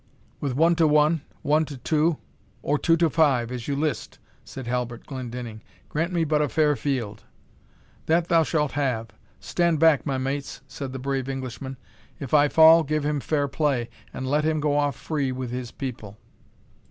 "With one to one one to two or two to five, as you list," said Halbert Glendinning; "grant me but a fair field." "That thou shalt have. Stand back, my mates," said the brave Englishman. "If I fall, give him fair play, and let him go off free with his people."